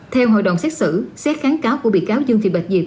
theo hội đồng xét xử xét kháng cáo của bị cáo dương thị bạch diệp